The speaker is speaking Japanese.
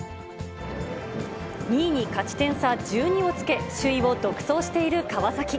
２位に勝ち点差１２をつけ、首位を独走している川崎。